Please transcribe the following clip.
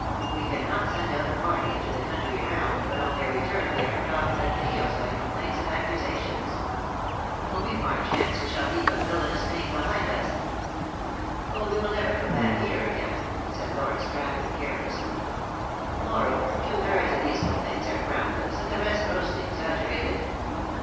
AVe cannot send out a party into the country around, but on their return they are dogged at the heels by complaints and accusations. When we march hence, we shall leave a villainous name behind us." "Oh, we will never come back here again," said Lord Strathern, carelessly. " Moreover, two thirds of these complaints are groundless, and the rest grossly exaggerated."